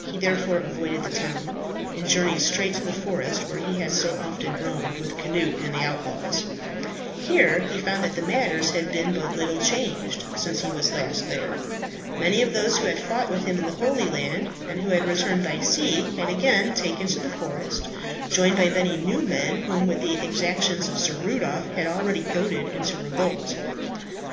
He therefore avoided the town, and journeyed straight to the forest, where he had so often roamed with Cnut and the outlaws. Here he found that matters had but little changed since he was last there. Many of those who had fought with him in the Holy Land, and who had returned by sea, had again taken to the forest, joined by many new men whom the exactions of Sir Rudolph had already goaded into revolt.